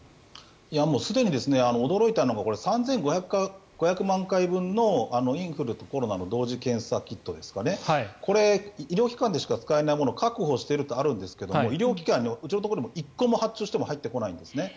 すでに驚いたのが３５００万回分のインフルとコロナの同時検査キットこれ、医療機関でしか使えないもの確保しているとあるんですが医療機関、うちのところも発注しても１個も入ってこないんですね。